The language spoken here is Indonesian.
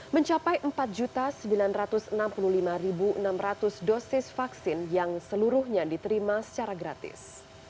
mencapai empat sembilan ratus enam puluh lima enam ratus dosis vaksin yang seluruhnya diterima secara gratis